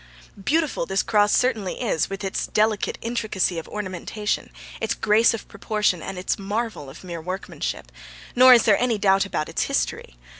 Beautiful this cross certainly is with its delicate intricacy of ornamentation, its grace of proportion and its marvel of mere workmanship, nor is there any doubt about its history.